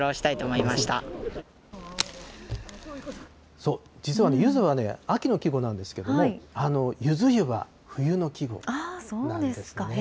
そう、実はね、ゆずは秋の季語なんですけれども、ゆず湯は冬の季語なんですね。